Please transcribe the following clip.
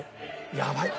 やばい！」。